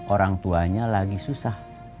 orang tuanya lagi susah